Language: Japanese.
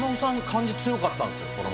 漢字強かったんすよ。